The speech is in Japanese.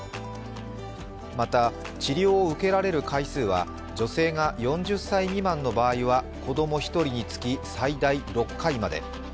また、治療を受けられる回数は女性が４０歳未満の場合は子供１人につき、最大６回まで。